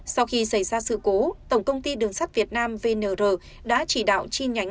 sau khi xảy ra sự cố tổng công ty đường sắt việt nam vnr đã chỉ đạo chi nhánh